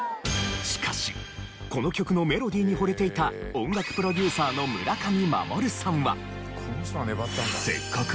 しかしこの曲のメロディにほれていた音楽プロデューサーの村上司さんは。